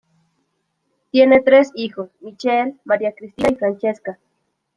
Tiene tres hijos: Michele, Maria Cristina y Francesca.